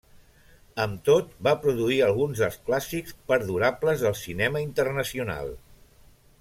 Amb tot, va produir alguns dels clàssics perdurables del cinema internacional.